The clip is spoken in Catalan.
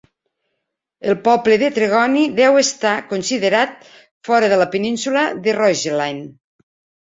El poble de Tregony deu estar considerat fora de la península de Roseland.